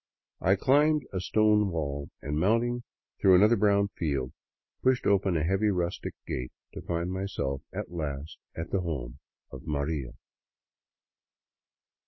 I climbed a stone wall and, mounting through another brown field, pushed open a heavy rustic gate, to find myself at last at the home of " Maria."